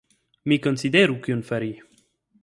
Mi konsideru kion fari.